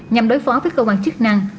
nhằm đối phó với cơ quan chức năng